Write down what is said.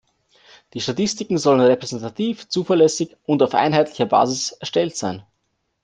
Die Statistiken sollten repräsentativ, zuverlässig und auf einheitlicher Basis erstellt sein.